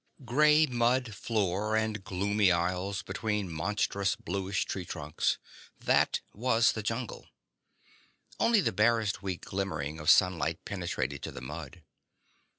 Gray mud floor and gloomy aisles between monstrous bluish tree trunks—that was the jungle. Only the barest weak glimmering of sunlight penetrated to the mud.